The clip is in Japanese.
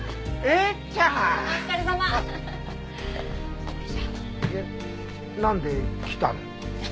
えっなんで来たの？